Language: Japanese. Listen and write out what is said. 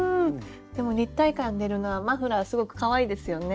でも立体感出るのはマフラーすごくかわいいですよね。